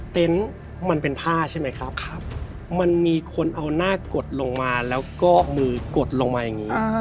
ก็มือกดลงมาอย่างนี้